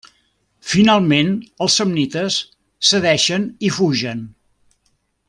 Finalment els samnites cedeixen i fugen.